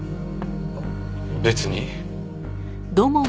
別に。